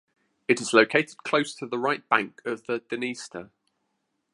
It is located close to the right bank of the Dniester.